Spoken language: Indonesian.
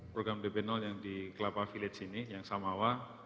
program dp yang di kelapa village sini yang samawa